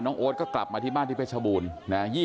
โอ๊ตก็กลับมาที่บ้านที่เพชรบูรณ์นะ